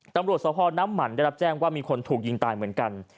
ตำรวจสภน้ำหมั่นได้รับแจ้งว่ามีคนถูกยิงตายเหมือนกัน